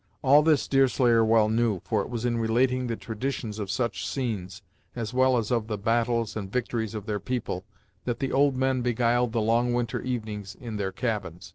All this Deerslayer well knew, for it was in relating the traditions of such scenes, as well as of the battles and victories of their people, that the old men beguiled the long winter evenings in their cabins.